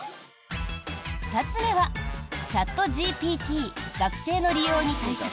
２つ目は、チャットＧＰＴ学生の利用に対策。